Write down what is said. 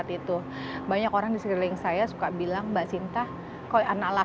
tapi mengatakan bahwa pergelaran busan itu tidak akan menganggap sebagai pergelaran busan